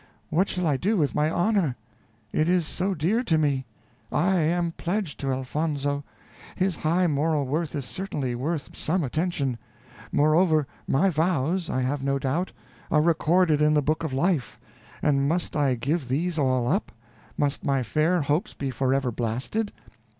what shall I do with my honor? it is so dear to me; I am pledged to Elfonzo. His high moral worth is certainly worth some attention; moreover, my vows, I have no doubt, are recorded in the book of life, and must I give these all up? must my fair hopes be forever blasted?